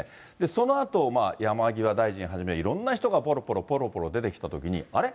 そのあと、山際大臣はじめ、いろんな人がぽろぽろぽろぽろ出てきたときに、あれ？